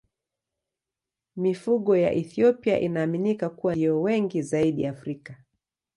Mifugo ya Ethiopia inaaminika kuwa ndiyo wengi zaidi Afrika.